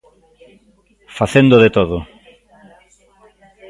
Facendo de todo.